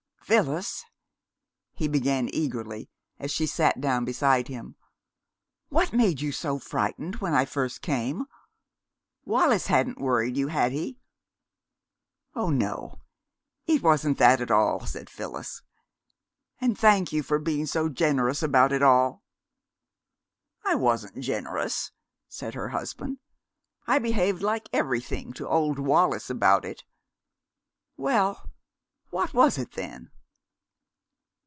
"Phyllis," he began eagerly, as she sat down beside him, "what made you so frightened when I first came? Wallis hadn't worried you, had he?" "Oh, no; it wasn't that at all," said Phyllis. "And thank you for being so generous about it all." "I wasn't generous," said her husband. "I behaved like everything to old Wallis about it. Well, what was it, then?"